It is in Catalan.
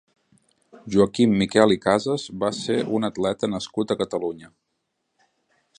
Joaquim Miquel i Casas va ser un atleta nascut a Catalunya.